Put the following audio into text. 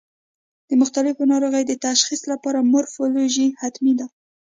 د مختلفو ناروغیو د تشخیص لپاره مورفولوژي حتمي ده.